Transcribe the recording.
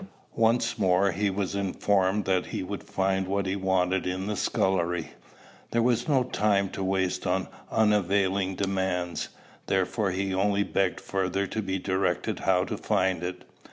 Once more he was informed that he would find what he wanted in the scullery. There was no time to waste on unavailing demands, therefore he only begged further to be directed how to find it.